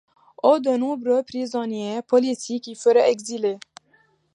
Au de nombreux prisonniers politiques y furent exilés.